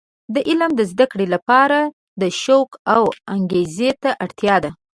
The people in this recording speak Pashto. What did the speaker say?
د علم د زده کړې لپاره د شوق او انګیزې ته اړتیا ده.